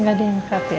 gak diangkat ya